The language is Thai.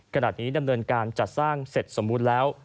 ขณะนี้ดำเนินการจัดสร้างเสร็จสมบูรณ์แล้ว